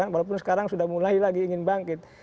walaupun sekarang sudah mulai lagi ingin bangkit